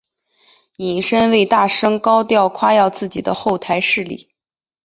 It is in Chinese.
引申为大声高调夸耀自己的后台势力。